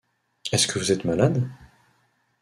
Est-ce que vous êtes malade?